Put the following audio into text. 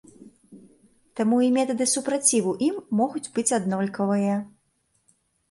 Таму і метады супраціву ім могуць быць аднолькавыя.